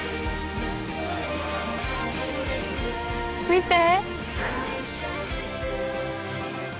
見て！